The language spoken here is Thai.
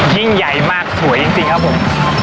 ยิ่งใหญ่มากสวยจริงครับผม